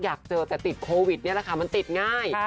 อยากเจอแต่ติดโควิดมันติดง่าย